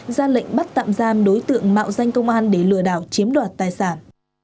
ra lệnh bắt tạm giam đối tượng mạo danh công an để lừa đảo chiếm đoạt tài sản